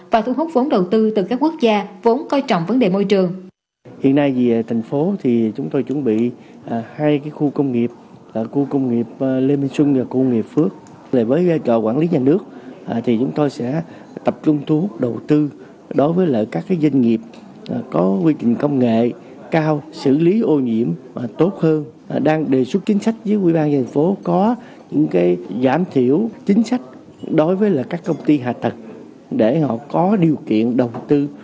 và thu hút vốn đầu tư từ các quốc gia vốn coi trọng vấn đề môi trường